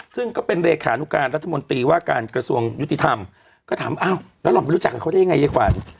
ซึ่งก็เป็นเลขานุการรัฐมนตรีว่าการกระทรวงยุติธรรมก็ถามอ้าวแล้วเราไปรู้จักกับเขาได้ยังไงยายขวัญ